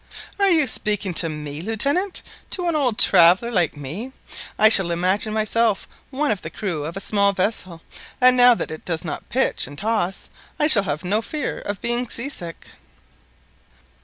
"Are you speaking to me, Lieutenant? to an old traveller like me? I shall imagine myself one of the crew of a small vessel, and now that it does not pitch and toss, I shall have no fear of being sea sick."